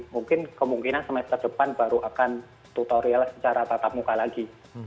mungkin kemungkinan semester depan baru akan tutorial secara tatap muka lagi